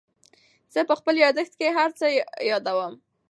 زه په خپل یادښت کې هر څه یادوم.